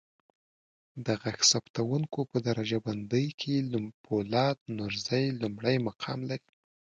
د ږغ ثبتکوونکو په درجه بندی کې فولاد نورزی لمړی مقام لري.